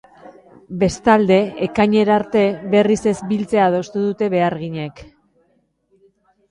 Bestalde, ekainera arte berriz ez biltzea adostu dute beharginek.